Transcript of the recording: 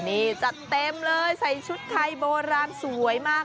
นี่จัดเต็มเลยใส่ชุดไทยโบราณสวยมาก